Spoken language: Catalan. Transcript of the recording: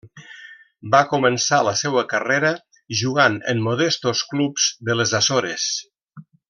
Va començar la seua carrera jugant en modestos clubs de les Açores.